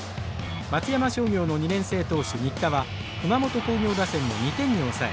松山商業の２年生投手新田は熊本工業打線を２点に抑え